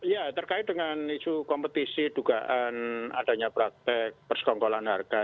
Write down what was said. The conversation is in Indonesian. ya terkait dengan isu kompetisi dugaan adanya praktek persekongkolan harga